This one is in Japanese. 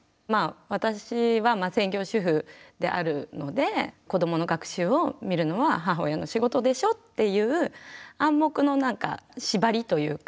私は専業主婦であるので子どもの学習を見るのは母親の仕事でしょっていう暗黙のなんか縛りというか。